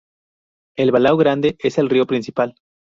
El Balao Grande es el río principal.